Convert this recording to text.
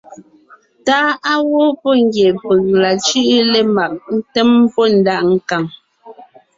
Táʼ á wɔ́ pɔ́ ngie peg la cʉ́ʼʉ lemag ńtém pɔ́ ndaʼ nkàŋ.